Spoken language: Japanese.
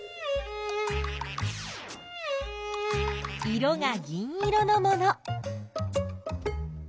色が銀色のもの。